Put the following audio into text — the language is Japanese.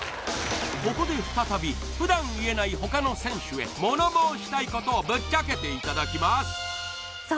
ここで再び普段言えない他の選手へ物申したいことをぶっちゃけていただきますさあ